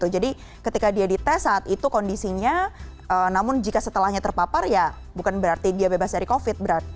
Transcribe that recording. jadi ketika dia di test saat itu kondisinya namun jika setelahnya terpapar ya bukan berarti dia bebas dari covid